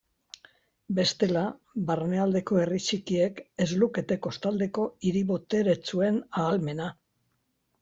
Bestela, barnealdeko herri txikiek ez lukete kostaldeko hiri boteretsuen ahalmena.